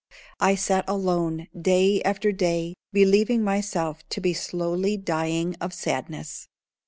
I sat alone day after day, believing myself to be slowly dying of sadness.